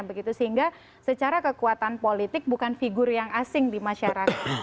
begitu sehingga secara kekuatan politik bukan figur yang asing di masyarakat